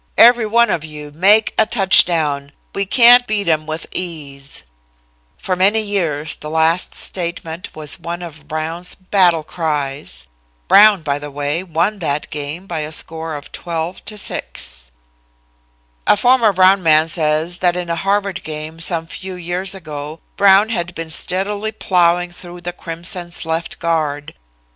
Every one of you make a touchdown. We can beat 'em with ease." For many years the last statement was one of Brown's battle cries. Brown, by the way, won that game by a score of 12 to 6. A former Brown man says that in a Harvard game some few years ago, Brown had been steadily plowing through the Crimson's left guard.